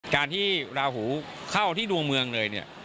การที่ราหูเข้าที่ดวงเมืองเลยเนี่ย